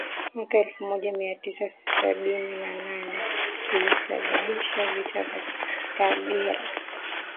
mwaka elfu moja mia tisa sabini na nane lilisababisha Vita ya Kagera